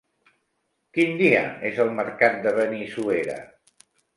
Quin dia és el mercat de Benissuera?